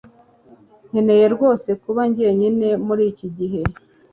Nkeneye rwose kuba jyenyine muri iki gihe